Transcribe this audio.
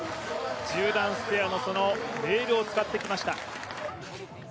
１０段ステアのレールを使ってきました。